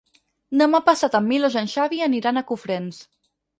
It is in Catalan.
Demà passat en Milos i en Xavi aniran a Cofrents.